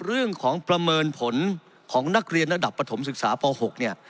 เรื่องของประเมินผลของนักเรียนระดับประถมศึกษาพ๖เนี่ย